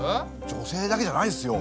女性だけじゃないですよ。